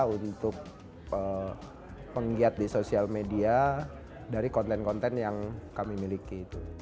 untuk penggiat di sosial media dari konten konten yang kami miliki